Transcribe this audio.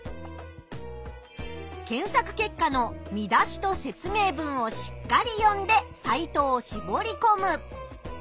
検索結果の見出しと説明文をしっかり読んでサイトをしぼりこむ。